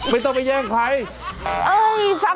ไม่ต้องไปแย่งใคร